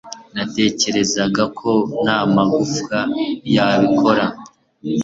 Natekerezaga ko n'amagufwa yabikora.